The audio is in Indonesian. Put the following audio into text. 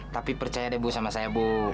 tapi percaya deh bu sama saya bu